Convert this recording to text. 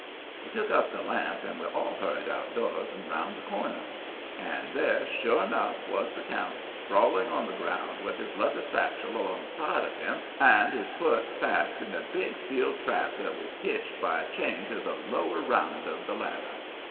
He took up the lamp and we all hurried outdoors and 'round the corner. And there, sure enough, was the count, sprawling on the ground with his leather satchel alongside of him, and his foot fast in a big steel trap that was hitched by a chain to the lower round of the ladder.